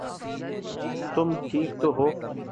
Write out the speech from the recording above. تم ٹھیک تو ہو؟